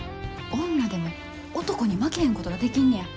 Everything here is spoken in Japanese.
女でも男に負けへんことができんねや。